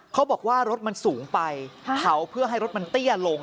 เขาบอกว่ารถมันสูงไปเผาเพื่อให้รถมันเตี้ยลง